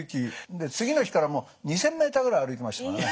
で次の日から２，０００ｍぐらい歩いてましたからね。